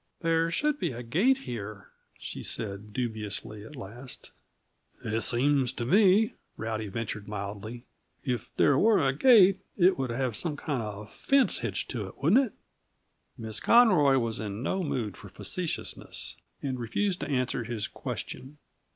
"There should be a gate here," she said dubiously, at last. "It seems to me," Rowdy ventured mildly, "if there were a gate, it would have some kind of a fence hitched to it; wouldn't it?" Miss Conroy was in no mood for facetiousness, and refused to answer his question.